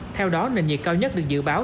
theo đó nền nhiệt cao nhất được dự báo